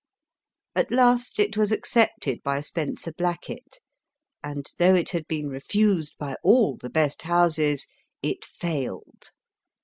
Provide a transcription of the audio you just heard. At last it was accepted by Spencer Blackett, and, though it had been refused by all the best houses, it failed.